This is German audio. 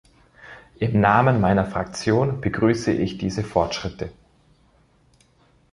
Im Namen meiner Fraktion begrüße ich diese Fortschritte.